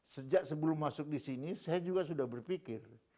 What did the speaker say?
sejak sebelum masuk di sini saya juga sudah berpikir